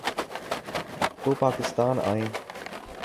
تو پاکستان آئیں۔